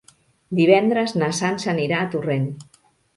Divendres na Sança anirà a Torrent.